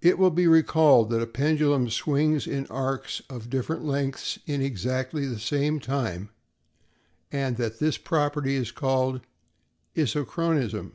It will be recalled that a pendulum swings in arcs of different lengths in exactly the same time and that this property is called isochronism.